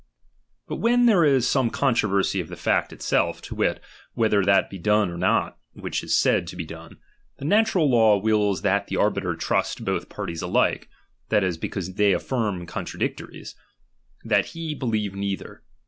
But when there is some controversy of the chap. m. fact itself, to wit, whether that be done or not _''','' The einhltenlli which is said to be done, the natural law wills iuK, or«HtDeM08. that the arbiter trust both parties alike, that is, because they affirm contradictories, that he believe neither.